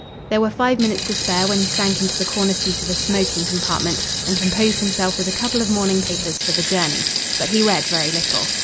There were five minutes to spare when he sank into the corner seat of a smoking compartment, and composed himself with a couple of morning papers for the journey. But he read very little.